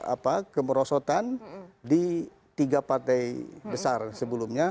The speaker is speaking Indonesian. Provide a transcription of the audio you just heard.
apa kemerosotan di tiga partai besar sebelumnya